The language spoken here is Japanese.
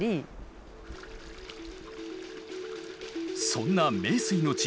そんな名水の地